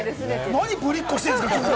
なに、ぶりっ子しているんですか？